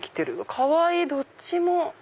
かわいいどっちも！